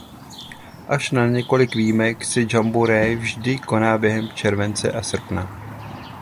Až na několik výjimek se jamboree vždy koná během července a srpna.